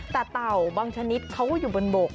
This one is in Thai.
แต่เต่าบางชนิดเขาก็อยู่บนบก